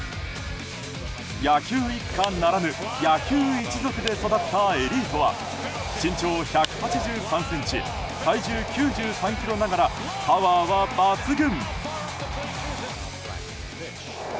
野球一家ならぬ野球一族で育ったエリートは身長１８３ｃｍ体重９３ｋｇながらパワーは抜群。